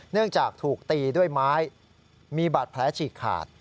เนื่องจากถูกตีด้วยไม้มีบาดแผลฉีกขาด